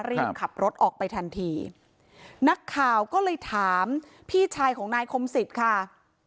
รีบขับรถออกไปทันทีนักข่าวก็เลยถามพี่ชายของนายคมสิทธิ์ค่ะ